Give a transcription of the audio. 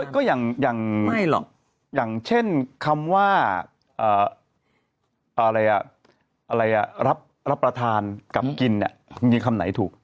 ก็อย่างเช่นคำว่ารับประทานกับกินนี่คำไหนถูก